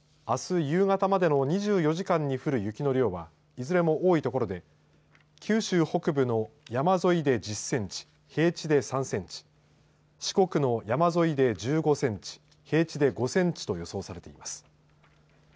あす夕方までの２４時間に降る雪の量はいずれも多い所で九州北部の山沿いで１０センチ平地で３センチ四国の山沿いで１５センチ平地で５センチと予想されています。